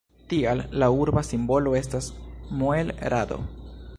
Tial, la urba simbolo estas muel-rado.